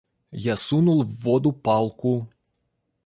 Я сунул в воду палку.